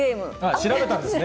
調べたんですね？